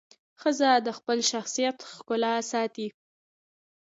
ښځه د خپل شخصیت ښکلا ساتي.